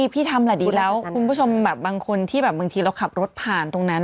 พี่ทำแหละดีแล้วคุณผู้ชมแบบบางคนที่แบบบางทีเราขับรถผ่านตรงนั้น